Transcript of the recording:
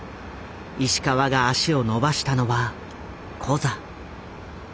石川が足を延ばしたのはコザ。